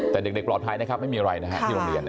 แต่เด็กปลอดภัยนะครับไม่มีอะไรนะฮะ